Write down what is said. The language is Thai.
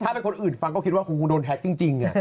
ถ้าเป็นคนอื่นฟังก็คิดว่าคงโดนแท็กจริง